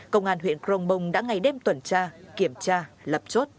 công an huyện crong bông đã ngày đêm tuần tra kiểm tra lập chốt